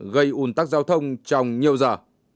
gây ủn tắc giao thông trong nhiều giờ